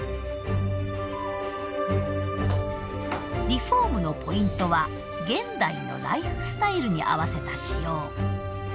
リフォームのポイントは現代のライフスタイルに合わせた仕様。